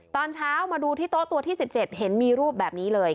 ตอนเช้ามาดูที่โต๊ะตัวที่๑๗เห็นมีรูปแบบนี้เลย